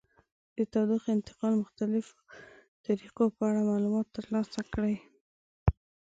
د تودوخې انتقال مختلفو طریقو په اړه معلومات ترلاسه کړئ.